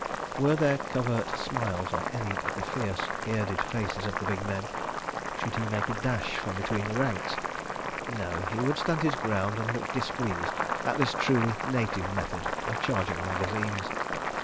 ... Were there covert smiles on any of the fierce bearded faces of the big men? ... Should he make a dash from between the ranks? ... No—he would stand his ground and look displeased at this truly "native" method of charging magazines.